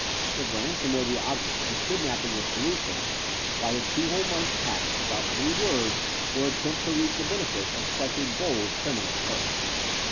If ransom were the object and kidnapping the solution, why had two whole months passed without any word or attempt to reap the benefits of such a bold criminal stroke?